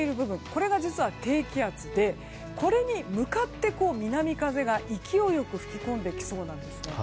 これが実は低気圧でこれに向かって南風が勢いよく吹き込んできそうなんです。